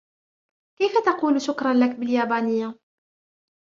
كيف تقول " شكراً لك " باليابانية ؟